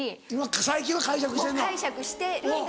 最近は解釈してるの。